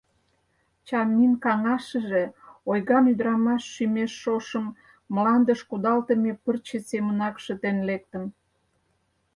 Чамин каҥашыже ойган ӱдырамаш шӱмеш шошым мландыш кудалтыме пырче семынак шытен лектын.